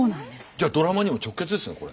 じゃドラマにも直結ですねこれ。